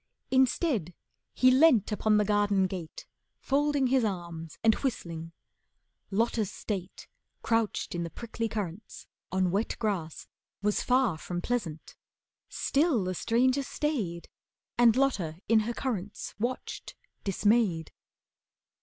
Instead, he leant upon the garden gate, Folding his arms and whistling. Lotta's state, Crouched in the prickly currants, on wet grass, Was far from pleasant. Still the stranger stayed, And Lotta in her currants watched, dismayed.